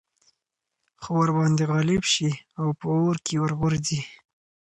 خو ورباندي غالب شي او په اور كي ورغورځي